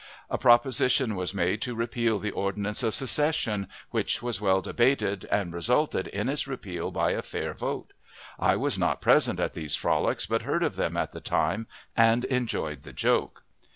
A proposition was made to repeal the ordinance of secession, which was well debated, and resulted in its repeal by a fair vote! I was not present at these frolics, but heard of them at the time, and enjoyed the joke.